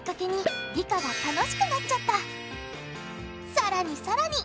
さらにさらに！